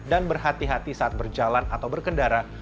dan berhati hati saat berjalan atau berkendara